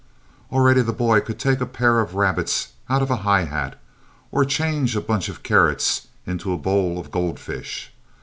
Already the boy could take a pair of rabbits out of a high hat, or change a bunch of carrots into a bowl of goldfish.